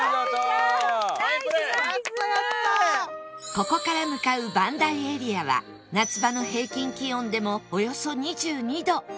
ここから向かう磐梯エリアは夏場の平均気温でもおよそ２２度